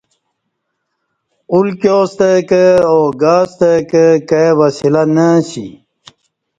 اُلکِیاستہ کہ او گاستہ کہ کائ وسیلہ نہ اسی